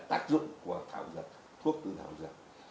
tác dụng của thuốc từ thảo dật